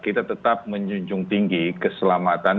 kita tetap menjunjung tinggi keselamatan